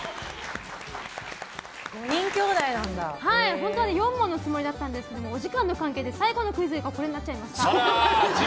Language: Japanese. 本当は４問のつもりだったんですけど最後のクイズがこれになっちゃいました。